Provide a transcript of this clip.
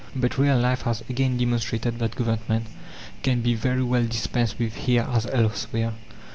But real life has again demonstrated that Government can be very well dispensed with here as elsewhere.